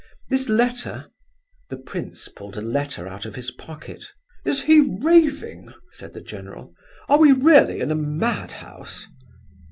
This letter—" The prince pulled a letter out of his pocket. "Is he raving?" said the general. "Are we really in a mad house?"